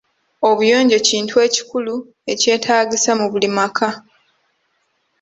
Obuyonjo kintu ekikulu ekyetaagisa mu buli maka.